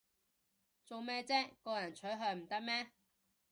做咩唧個人取向唔得咩